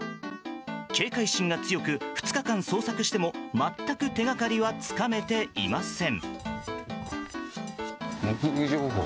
警戒心が強く、２日間捜索しても全く手掛かりはつかめていません。